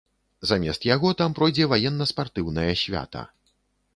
Замест яго там пройдзе ваенна-спартыўнае свята.